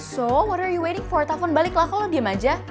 so what are you waiting for telepon balik lah kok lo diem aja